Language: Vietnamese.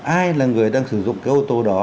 ai là người đang sử dụng cái ô tô đó